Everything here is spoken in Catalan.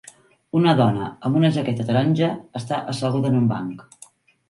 Una dona amb una jaqueta taronja està asseguda en un banc